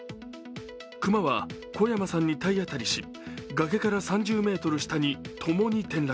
熊は小山さんに体当たりし崖から３０ｍ下に共に転落。